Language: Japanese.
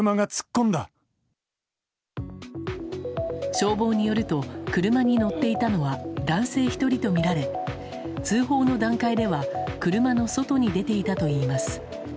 消防によると車に乗っていたのは男性１人とみられ通報の段階では車の外に出ていたといいます。